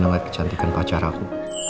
dengan kecantikan pacar aku